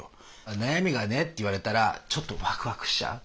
「悩みがね」って言われたらちょっとワクワクしちゃう。